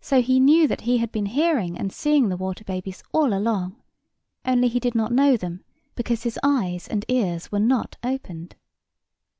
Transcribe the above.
So he knew that he had been hearing and seeing the water babies all along; only he did not know them, because his eyes and ears were not opened.